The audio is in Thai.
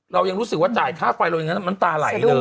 เรายังรู้สึกว่าจ่ายค่าไฟเราอย่างนั้นน้ำตาไหลเลย